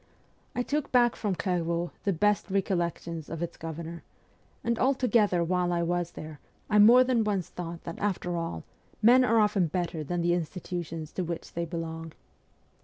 I took back from Clairvaux the best recollections of its governor ; and altogether, while I was there, I more than once thought that, after all, men are often better than the institutions to which they belong.